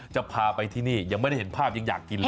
จะพาไปที่นี่ยังไม่ได้เห็นภาพยังอยากกินเลย